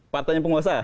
faktanya penguasa ya